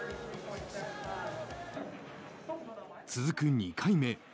続く２回目。